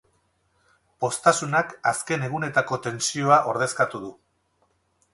Poztasunak azken egunetako tentsioa ordezkatu du.